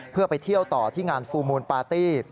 เพื่อไปเที่ยวต่อที่งานฟูลมูลปาร์ตี้